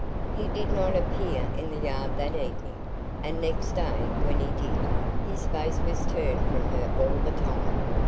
He did not appear in the yard that evening, and next day when he did, his face was turned from her all the time.